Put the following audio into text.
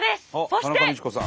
そして。